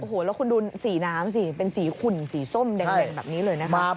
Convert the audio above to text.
โอ้โหแล้วคุณดูสีน้ำสิเป็นสีขุ่นสีส้มแดงแบบนี้เลยนะคะ